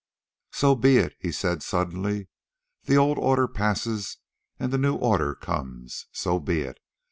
"So be it," he said suddenly. "The old order passes, and the new order comes. So be it!